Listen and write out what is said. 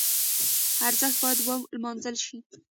ارزښت باید ولمانځل شي.